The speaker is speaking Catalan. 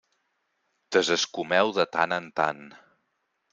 Desescumeu de tant en tant.